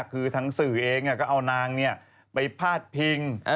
คือทางสื่อเองก็เอานางไปพาดพิง